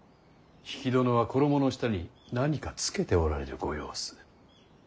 比企殿は衣の下に何か着けておられるご様子。